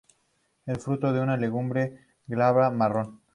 El fruto es una legumbre glabra, marrón.